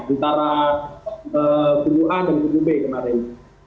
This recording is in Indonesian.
antara kubu a dan kubu b kemarin